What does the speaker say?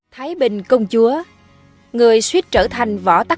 thái bình công chúa